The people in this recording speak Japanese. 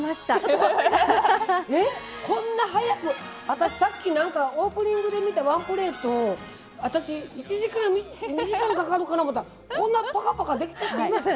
私さっきオープニングで見たワンプレート私１時間２時間かかるかな思ったらこんなぱかぱかできちゃっていいんですか？